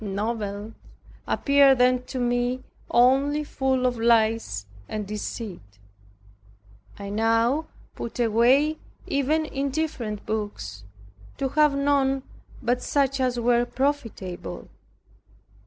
Novels appeared then to me only full of lies and deceit. I now put away even indifferent books, to have none but such as were profitable.